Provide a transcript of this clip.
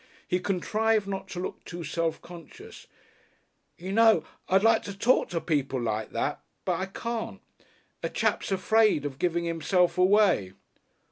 He contrived not to look too self conscious. "You know, I'd like to talk to people like that, but I can't. A chap's afraid of giving himself away."